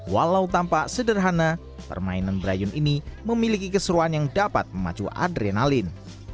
walau tampak sederhana permainan brayun ini memiliki keseruan yang dapat memacu adrenalin